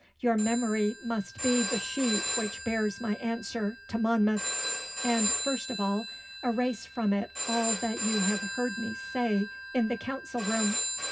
Your memory must be the sheet which bears my answer to Monmouth. And first of all, erase from it all that you have heard me say in the council room.